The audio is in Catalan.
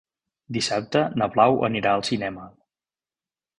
Dissabte na Blau anirà al cinema.